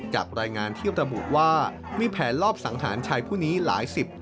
จากรายงานที่ระบุว่ามีแผนลอบสังหารชายผู้นี้หลายสิบ